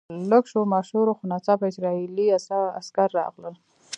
لږ شور ماشور و خو ناڅاپه اسرایلي عسکر راغلل.